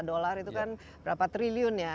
dolar itu kan berapa triliun ya